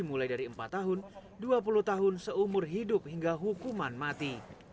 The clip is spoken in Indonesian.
mulai dari empat tahun dua puluh tahun seumur hidup hingga hukuman mati